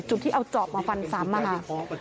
จุดที่เอาเจาะมาฟันซ้ำมามา